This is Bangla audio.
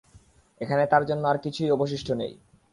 এখানে তার জন্য আর কিছুই অবশিষ্ট নেই।